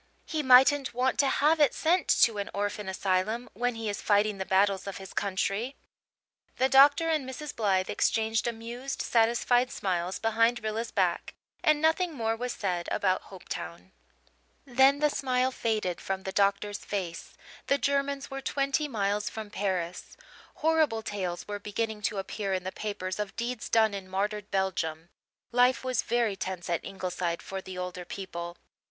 He mightn't want to have it sent to an orphan asylum, when he is fighting the battles of his country." The doctor and Mrs. Blythe exchanged amused, satisfied smiles behind Rilla's back; and nothing more was said about Hopetown. Then the smile faded from the doctor's face; the Germans were twenty miles from Paris. Horrible tales were beginning to appear in the papers of deeds done in martyred Belgium. Life was very tense at Ingleside for the older people.